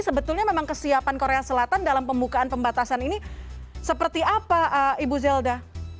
sebetulnya memang kesiapan korea selatan dalam pembukaan pembatasan ini seperti apa ibu zelda